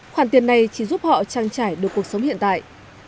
khoản tiền này chỉ giúp họ trang trải được cuộc sống hiện tại